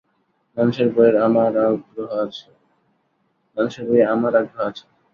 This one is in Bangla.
মানুষের বইয়ে আমার আগ্রহ আছে।